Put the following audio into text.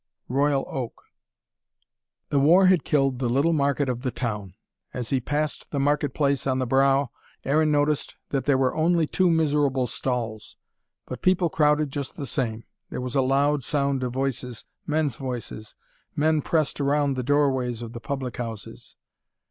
ROYAL OAK The war had killed the little market of the town. As he passed the market place on the brow, Aaron noticed that there were only two miserable stalls. But people crowded just the same. There was a loud sound of voices, men's voices. Men pressed round the doorways of the public houses.